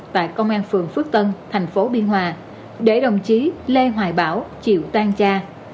tại công an phường phước tân thành phố biên hòa để đồng chí lê hoài bảo chịu tan cha